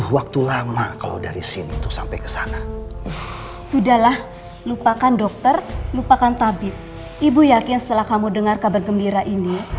yakin setelah kamu dengar kabar gembira ini